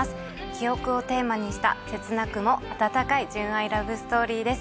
記憶をテーマにした切なくも温かい純愛ラブストーリーです